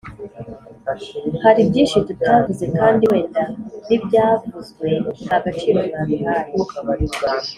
hari byinshi tutavuze. kandi wenda n'ibyavuzwe ntagaciro mwabihaye